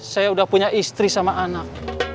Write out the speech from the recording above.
saya udah punya istri sama anak